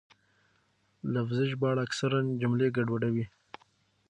لفظي ژباړه اکثراً جملې ګډوډوي.